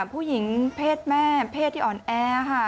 ผู้หญิงเพศแม่เพศที่อ่อนแอค่ะ